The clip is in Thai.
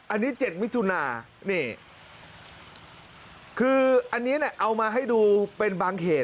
อันนี้๗มิถุนานี่คืออันนี้เอามาให้ดูเป็นบางเหตุ